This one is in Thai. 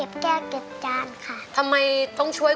พี่โภค